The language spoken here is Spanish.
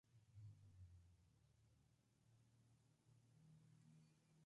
Con evidencia suficiente, a menudo podrá hacerse muy alto o muy bajo.